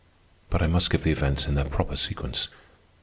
But I must give the events in their proper sequence.